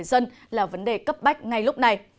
dân là vấn đề cấp bách ngay lúc này